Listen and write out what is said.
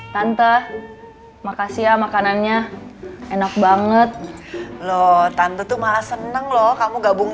tante makasih ya makanannya enak banget loh tante tuh malah seneng loh kamu gabung